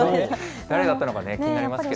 誰だったのか気になりますね。